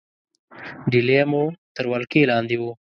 ډهلی مو تر ولکې لاندې وو.